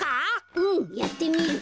うんやってみる！